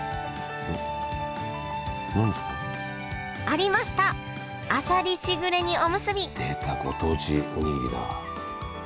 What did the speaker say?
あさりしぐれ煮おむすび出たご当地おにぎりだ。